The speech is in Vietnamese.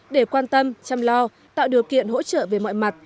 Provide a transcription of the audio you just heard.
để quan tâm chăm lo tạo điều kiện hỗ trợ về mọi mặt